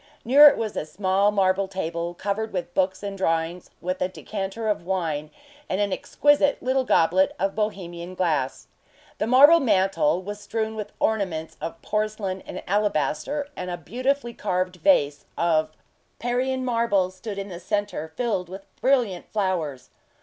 Near it was a small marble table, covered with books and drawings, with a decanter of wine and an exquisite little goblet of Bohemian glass. The marble mantel was strewn with ornaments of porcelain and alabaster, and a beautifully carved vase of Parian marble stood in the centre, filled with brilliant flowers.